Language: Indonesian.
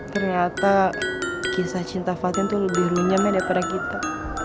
ternyata kisah cinta fatin tuh lebih runyamnya daripada kita